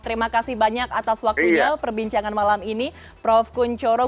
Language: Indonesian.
terima kasih banyak atas waktunya perbincangan malam ini prof kunchoro